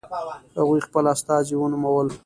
هغوی خپل استازي ونومول.